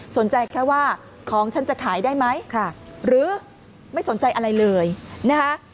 แค่ว่าของฉันจะขายได้ไหมหรือไม่สนใจอะไรเลยนะคะ